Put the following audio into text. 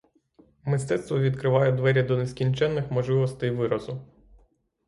Мистецтво відкриває двері до нескінченних можливостей виразу.